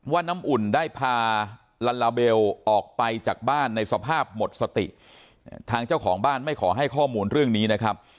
น้ำอุ่นได้พาลัลลาเบลออกไปจากบ้านในสภาพหมดสติทางเจ้าของบ้านไม่ขอให้ข้อมูลเรื่องนี้นะครับ